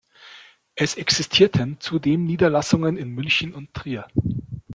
Es existierten zudem Niederlassungen in München und Trier.